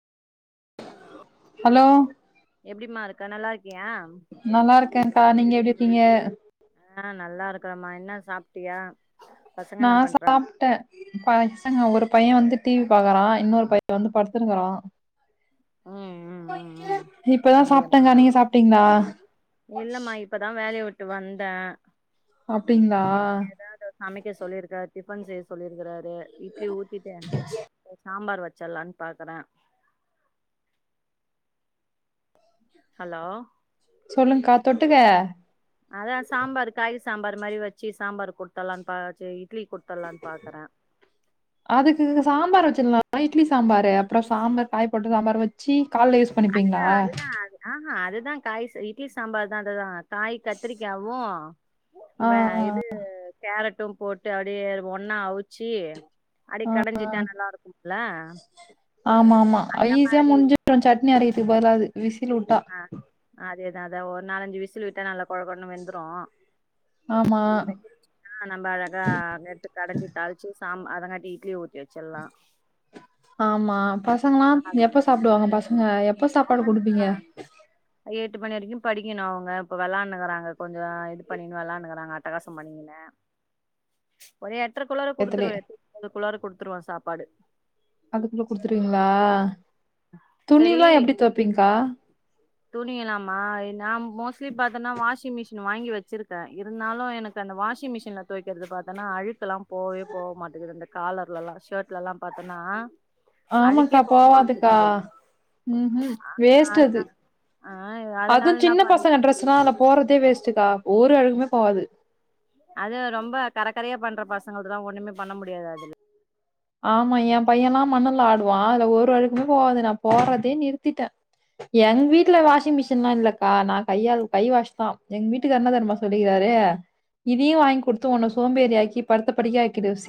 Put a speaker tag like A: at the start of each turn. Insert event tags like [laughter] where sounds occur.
A: hello
B: hello
A: எப்டிமா இருக்கா நல்லாருக்கியா
B: நல்லா இருக்கேங்க்கா நீங்க எப்டி இருக்கீங்க
A: ஆ நல்லா இருக்குறமா என்ன சாப்ட்டியா பசங்க
B: நா
A: என்ன பண்றா
B: சாப்ட்டே பசங்க ஒரு பைய வந்து டி வி பாக்கறா இன்னொரு பைய வந்து படுத்துருக்குறா
A: ம் ம் ம் ம்
B: இப்பதா
A: அப்டியாமா
B: சாப்ட்டங்க நீங்க சாப்ட்டீங்ளா
A: இல்லமா இப்பதா வேலைய விட்டு வந்தே
B: அப்டிங்ளா
A: அமைக்கே சொல்லிருக்கார் டிஃபன் செய்ய சொல்லிருக்குறாரு இட்லி ஊத்திட்டே அ சாம்பார் வச்சிற்லான் பாக்குறே ஹலோ
B: சொல்லுங்க்கா தொட்டுக்க
A: அதா சாம்பார் காய் சாம்பார் மாரி வச்சு சாம்பார் குடுத்தடலான்னு பாச்சு இட்லி குடுத்தடலான்னு பாக்குறே
B: அதுக்கு சாம்பார் வச்சிட்லா இட்லி சாம்பாரு அப்புறோ சாம்பார் காய் போட்டு சாம்பார் வச் சி கால்ல யூஸ்
A: அதுதா
B: பண்ணிப்பீங்களா
A: அதுதா ஆஹா அதுதா காய் இட்லி சாம்பார் தா அதுதா காய் கத்திரிக்காவு
B: ஆ
A: வே
B: ஆ
A: இது கேரட்டு போட்டு அப்டியே ஒன்னா அவிச்சு அடி கடைஞ்சிட்டா நல்லா இருக்கும்ல
B: ஆமா ஆமா
A: அந்த
B: ஈஸியா
A: மாரி
B: முடிஞ்சு சட்னி அரையதுக்கு பதலா அது விசில் விட்டா
A: ஆ அதேதா அதா ஒரு நாலஞ்சு விசில் விட்டா நல்லா கொழகொழன்னு வெந்துரு
B: ஆமா
A: வெந்து ஆ நம்ம அழகா எடுத்து கடஞ்சி தாழிச்சு சாம் அதங்காட்டி இட்லிய ஊத்
B: ஆமா பசங்கலா எப்ப சாப்டுவாங்க பசங்க எப்
A: அவங்க [unintelligible] எட்டு மணி வரைக்கு படிக்கணு அவுங்க இப்ப விளானுக்குறாங்க கொஞ்சோ இது பண்ணின்னு விளானுக்குறாங்க அட்டகாசோ பண்ணிகுனு ஒரு எட்டர குள்ளார
B: டயத்துலே
A: குடுத்துருவே எட்டு [inaudible] குளார குடுத்துருவே சாப்பாடு
B: அதுக்குள்ள குடுத்துருவீங்களா
A: சரி
B: துணில்லா எப்டி துவப்பீ்ங்கக்கா
A: துணியலாமா நான் மோஸ்லி பாத்தேன்னா வாஷிங் மிஷின் வாங்கி வச்சிருக்கே இருந்தாலு எனக் அந்த வாஷிங் மிஷின்ல தொவைக்கிறது பாத்தோனா அழுக் ல்லா போவே போ மாட்டுகுது இந்த காலர்லல்லா ஷர்ட்லல்லா பாத்தோன்னா
B: ஆமாக்கா போவாதுக்கா ம் ஹூம் வேஸ்ட்
A: அதனா
B: அது
A: ஆ
B: அதுவு
A: அதனால என்ன
B: சின்ன
A: பண்
B: பசங்க ட்ரெஸ்னா அல்ல போறதே வேஸ்ட்டுக்கா ஒரு அழுக்குமே போவாது
A: அது ரொம்ப கரகரையா பண்ற பசங்கல்துலா ஒன்னுமே பண்ண முடியாது அதுல
B: ஆமா எ பையல்லா மண்ணுல ஆடுவா அதுல ஒரு அழுக்குமே போவாது நா போறதே நிறுத்திட்டே எங் வீட்ல வாஷிங் மிஷின்லா இல்லக்கா நா கையால் கை வாஸ் தா எங் வீட் வீட்டுக்கார் என்ன தெரிமா சொல்லிராரு இதையு வாங் குடுத்து உன்ன சோம்பேறி ஆக்கி படுத்த படுக்க ஆக்கிடுவே சீ